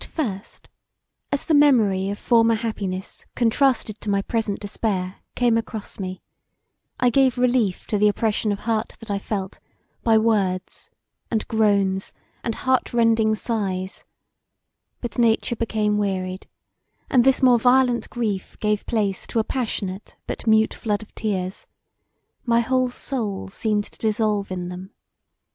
As [At] first, as the memory of former happiness contrasted to my present despair came across me, I gave relief to the oppression of heart that I felt by words, and groans, and heart rending sighs: but nature became wearied, and this more violent grief gave place to a passionate but mute flood of tears: my whole soul seemed to dissolve [in] them.